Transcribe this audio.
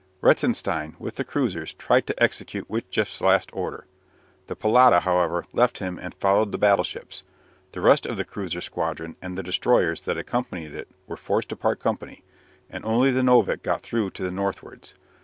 Reitzenstein, with the cruisers, tried to execute Witjeft's last order. The "Pallada," however, left him and followed the battleships. The rest of the cruiser squadron and the destroyers that accompanied it were forced to part company, and only the "Novik" got through to the northwards.